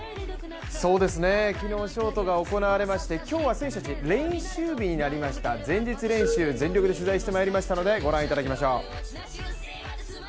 昨日ショートが行われまして、今日は選手たち、練習日になりました、前日練習、全力で取材してまいりましたのでご覧いただきましょう。